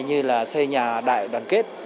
như xây nhà đại đoàn kết